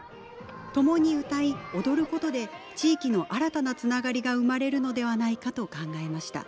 共に歌い踊ることで地域の新たなつながりが生まれるのではないかと考えました。